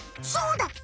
そうだ！